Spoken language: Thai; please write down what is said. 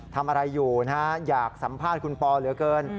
ทำอะไรอยู่นะฮะอยากสัมภาษณ์คุณปอเหลือเกิน